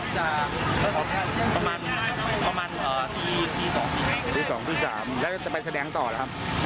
ใช่ค่ะ